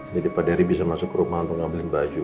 pak dery bisa masuk ke rumah untuk ngambilin baju